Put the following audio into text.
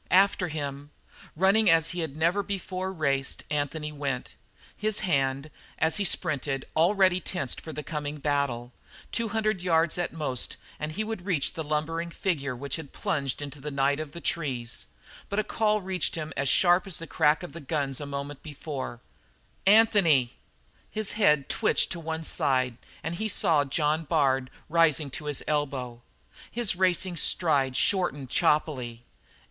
After him, running as he had never before raced, went Anthony; his hand, as he sprinted, already tensed for the coming battle; two hundred yards at the most and he would reach the lumbering figure which had plunged into the night of the trees; but a call reached him as sharp as the crack of the guns a moment before: "Anthony!" His head twitched to one side and he saw John Bard rising to his elbow. His racing stride shortened choppily.